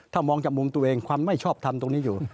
ถ้ามองจากมุมตัวเองความไม่ชอบทำตรงนี้อยู่